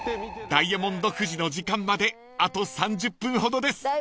［ダイヤモンド富士の時間まであと３０分ほどです］